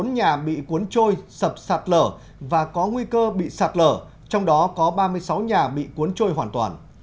bốn trăm hai mươi bốn nhà bị cuốn trôi sập sạt lở và có nguy cơ bị sạt lở trong đó có ba mươi sáu nhà bị cuốn trôi hoàn toàn